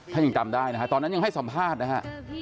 ถ้ายังจำได้ตอนนั้นยังให้สัมภาษณ์นะครับ